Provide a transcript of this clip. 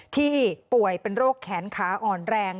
ที่ป่วยเป็นโรคแขนขาอ่อนแรง